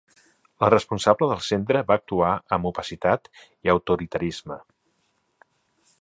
La responsable del centre va actuar amb opacitat i autoritarisme.